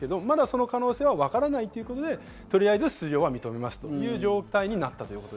まだその可能性はわからないということで、とりあえず出場は認めますという状態です。